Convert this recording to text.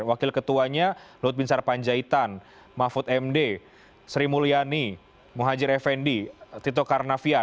wakil ketuanya lut bin sarpanjaitan mahfud md sri mulyani muhajir effendi tito karnavian